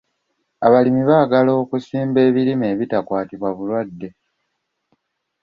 Abalimi baagala okusimba ebirime ebitakwatibwa bulwadde.